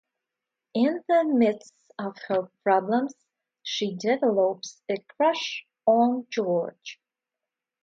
In the midst of her problems, she develops a crush on George.